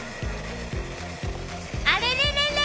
あれれれれ！